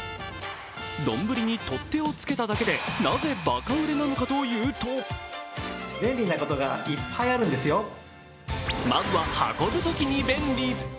丼に取っ手をつけただけでなぜバカ売れなのかというとまずは、運ぶときに便利。